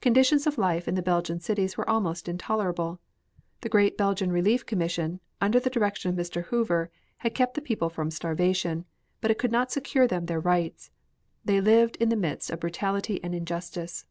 Conditions of life in the Belgian cities were almost intolerable. The great Belgian Relief Commission, under the direction of Mr. Hoover, had kept the people from starvation, but it could not secure them their rights. They lived in the midst of brutality and injustice.